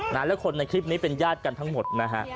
และคนในคลิปนี้เป็นญาติกันทั้งหมดนะฮะ